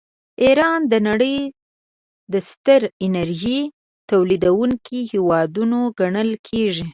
ایران د نړۍ د ستر انرژۍ تولیدونکي هېوادونه ګڼل کیږي.